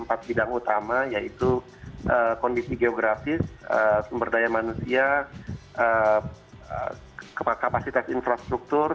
empat bidang utama yaitu kondisi geografis sumber daya manusia kapasitas infrastruktur